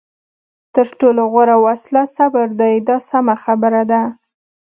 تر ټولو غوره وسله صبر دی دا سمه خبره ده.